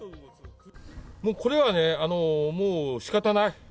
これはね、もうしかたない。